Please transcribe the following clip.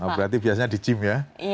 berarti biasanya di gym ya